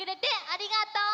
ありがとう！